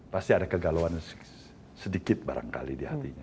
pasti ada kegalauan sedikit barangkali di hatinya